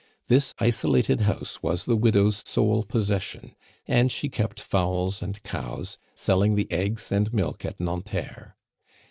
This isolated house was the widow's sole possession, and she kept fowls and cows, selling the eggs and milk at Nanterre.